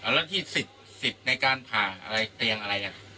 แล้วที่ศิษย์ในการผ่าเตียงอะไร